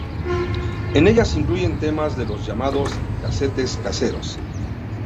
En ella se incluyen temas de los llamados casetes caseros.